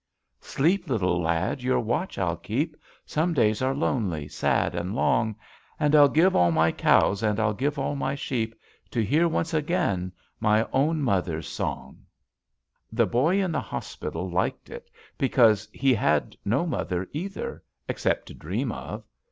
Sleep, little lad, your watch I'll keep. Some days are lonely, sad and long; And rd give all my cows and I'd give all my sheep To hear once again my own mother's song." "The boy in the hospital liked it because he had no mother, either, except to dream of.